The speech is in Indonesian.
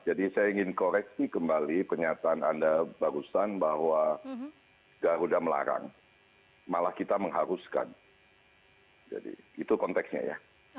jadi saya ingin koreksi kembali pernyataan anda barusan bahwa garuda melarang malah kita mengharuskan jadi itu konteksnya ya